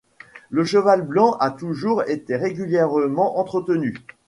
Le Cheval blanc a toujours été régulièrement entretenu.